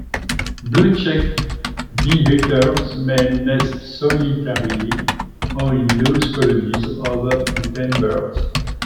Blue-cheeked bee-eaters may nest solitarily or in loose colonies of up to ten birds.